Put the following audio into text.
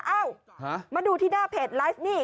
เอ้ามาดูที่หน้าเพจไลฟ์นี่